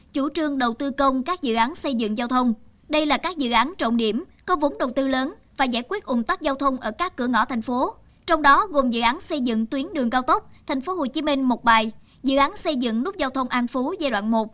cùng dự án xây dựng tuyến đường cao tốc tp hcm một bài dự án xây dựng nút giao thông an phú giai đoạn một